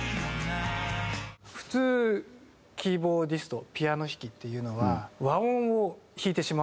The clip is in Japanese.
普通キーボーディストピアノ弾きっていうのは和音を弾いてしまうんですよ。